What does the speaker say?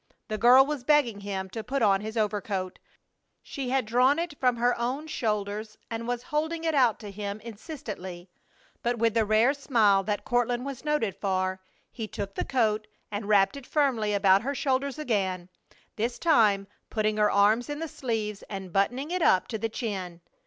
The girl was begging him to put on his overcoat. She had drawn it from her own shoulders and was holding it out to him insistently. But with the rare smile that Courtland was noted for he took the coat and wrapped it firmly about her shoulders again, this time putting her arms in the sleeves and buttoning it up to the chin.